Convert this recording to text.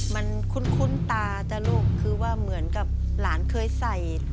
มันคุ้นคุ้นตาตราโลกคือว่าเหมือนกับหลานเคยใส่